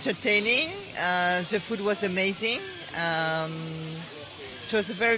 เครื่องการคิดทำตามแห่งเทศไทย